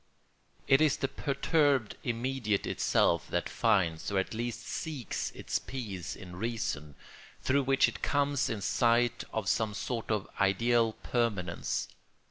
It is the perturbed immediate itself that finds or at least seeks its peace in reason, through which it comes in sight of some sort of ideal permanence.